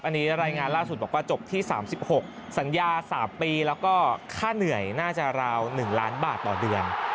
อันนี้รายงานล่าสุดบอกว่าจบที่๓๖สัญญา๓ปีแล้วก็ค่าเหนื่อยน่าจะราว๑ล้านบาทต่อเดือน